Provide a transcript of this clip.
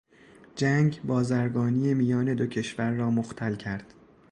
جنگ، بازرگانی میان دو کشور را مختل کرد.